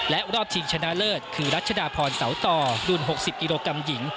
และรอบชิงชนะเลิศคือรัชดาพรเสาต่อรุ่น๖๐กิโลกรัมหญิง